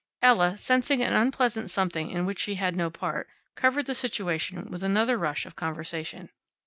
Ella, sensing an unpleasant something in which she had no part, covered the situation with another rush of conversation.